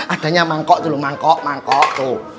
adanya mangkok tuh mangkok mangkok tuh